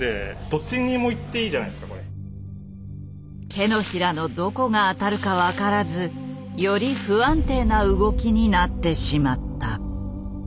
手のひらのどこが当たるか分からずより不安定な動きになってしまった。